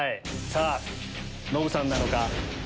さぁノブさんなのか？